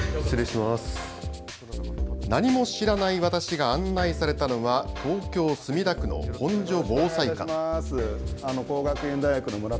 何も知らない私が案内されたのは東京墨田区の本所防災館。